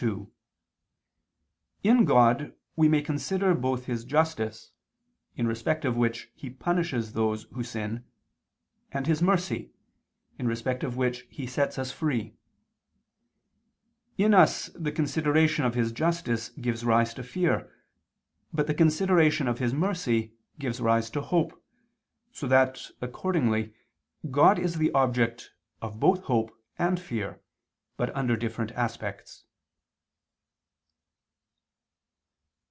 2: In God, we may consider both His justice, in respect of which He punishes those who sin, and His mercy, in respect of which He sets us free: in us the consideration of His justice gives rise to fear, but the consideration of His mercy gives rise to hope, so that, accordingly, God is the object of both hope and fear, but under different aspects.